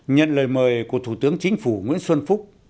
nhận lời mời của thủ tướng chính phủ nguyễn xuân phúc